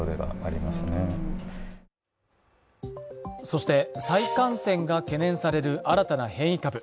そして再感染が懸念される新たな変異株。